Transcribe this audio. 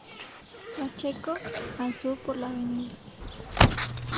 Pacheco, al sur por la Av.